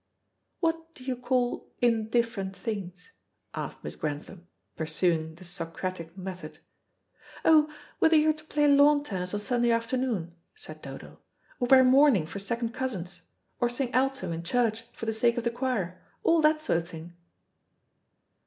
"What do you call indifferent things?" asked Miss Grantham, pursuing the Socratic method. "Oh, whether you are to play lawn tennis on Sunday afternoon," said Dodo, "or wear mourning for second cousins, or sing alto in church for the sake of the choir; all that sort of thing."